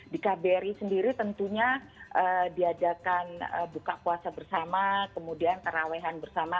di kbri sendiri tentunya diadakan buka puasa bersama kemudian kerahwehan bersama